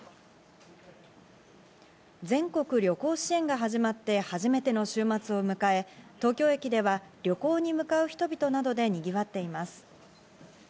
全国旅行支援が始まって初めての週末を迎え、東京駅では旅行に向かう人々などで、にぎわっています。